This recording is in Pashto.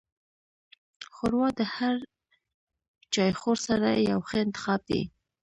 ښوروا د هر چایخوړ سره یو ښه انتخاب دی.